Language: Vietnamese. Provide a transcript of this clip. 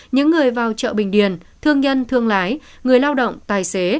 những người vào chợ bình điền thương nhân thương lái người lao động tài xế